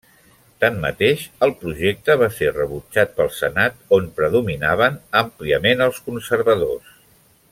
Tanmateix el projecte va ser rebutjat pel Senat, on predominaven àmpliament els conservadors.